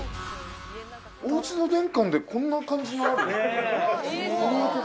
おうちの玄関で、こんな感じ